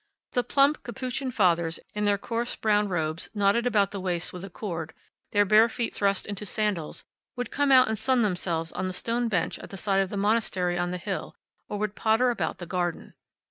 The plump Capuchin Fathers, in their coarse brown robes, knotted about the waist with a cord, their bare feet thrust into sandals, would come out and sun themselves on the stone bench at the side of the monastery on the hill, or would potter about the garden.